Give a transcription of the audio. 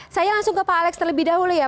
saya langsung ke pak alex terlebih dahulu ya